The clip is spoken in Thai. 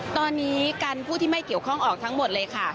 ตอนนี้กันผู้ที่ไม่เกี่ยวข้องออกทั้งหมดเลยค่ะ